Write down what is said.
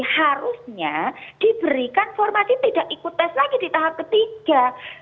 harusnya diberikan formasi tidak ikut tes lagi di tahap ketiga